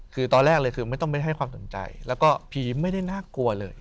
คือตอนแรกเลยคือไม่ต้องไปให้ความสนใจแล้วก็ผีไม่ได้น่ากลัวเลย